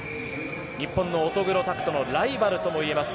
日本の乙黒拓斗のライバルとも言えます